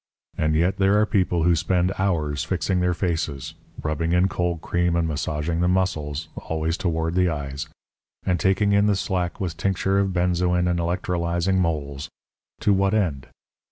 And yet there are people who spend hours fixing their faces rubbing in cold cream and massaging the muscles (always toward the eyes) and taking in the slack with tincture of benzoin and electrolyzing moles to what end?